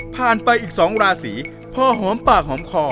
ผ่านไปอีกสองราศีพ่อหอมปากหอมคอ